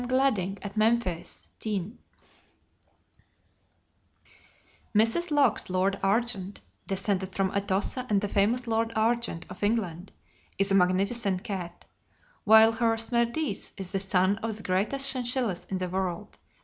Gladding, at Memphis, Tenn, Mrs. Locke's Lord Argent, descended from Atossa and the famous Lord Argent, of England, is a magnificent cat, while her Smerdis is the son of the greatest chinchillas in the world.